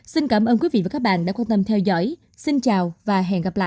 xin cảm ơn quý vị và các bạn đã quan tâm theo dõi xin chào và hẹn gặp lại